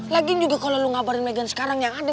lagian juga kalo lu ngabarin megan sekarang yang ada